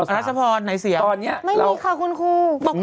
อรัฐสภรรณไหนเสี่ยม